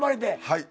はい。